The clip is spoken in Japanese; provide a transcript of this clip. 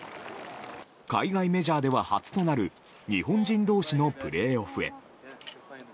海外メジャーでは初となる日本人同士のプレーオフへ。